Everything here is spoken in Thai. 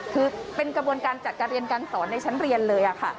คือเป็นกระบวนการจัดการเรียนการสอนในชั้นเรียนเลยค่ะ